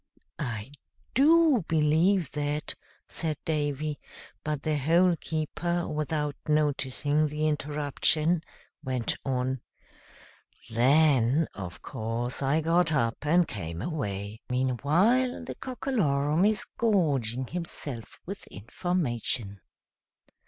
"I do believe that," said Davy; but the Hole keeper, without noticing the interruption, went on: "Then, of course, I got up and came away. Meanwhile the Cockalorum is gorging himself with information.